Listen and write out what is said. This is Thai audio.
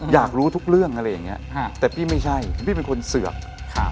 อยากรู้ทุกเรื่องอะไรอย่างเงี้ยแต่พี่ไม่ใช่พี่เป็นคนเสือก